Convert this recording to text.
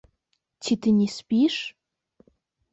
Ці ты не спіш?